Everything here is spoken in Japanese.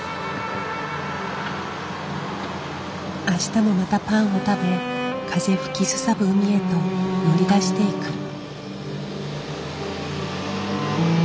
明日もまたパンを食べ風吹きすさぶ海へと乗り出していく。